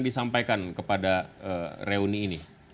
disampaikan kepada reuni ini